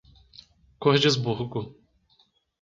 Cordisburgo